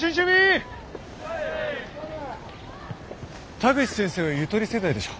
田口先生はゆとり世代でしょ。